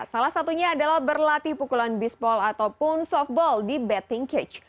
salah satunya adalah berlatih pukulan bisball ataupun softball di betting cage